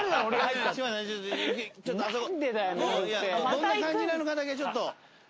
どんな感じなのかだけちょっと。